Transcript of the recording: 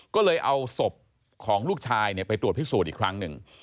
ก็เลยเอาศพของลูกชายไปตรวจพิสูจน์อีกครั้งหนึ่ง